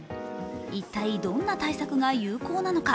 一体どんな対策が有効なのか。